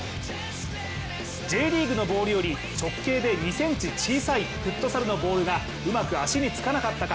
Ｊリーグのボールより直径で２ｃｍ小さいフットサルのボールがうまく足につかなかったか。